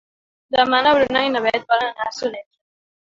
Demà na Bruna i na Beth volen anar a Soneja.